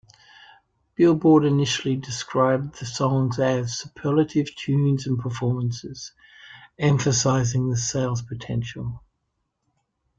Billboard initially described the songs as "superlative tunes and performances", emphasizing the sales potential.